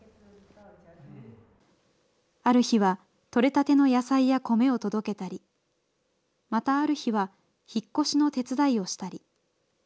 ある日は、取れたての野菜や米を届けたり、またある日は、引っ越しの手伝いをしたり。